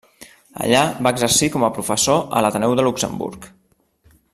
Allà va exercir com a professor a l'Ateneu de Luxemburg.